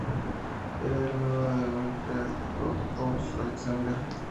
Era hermano de Wilfred Backhouse Alexander.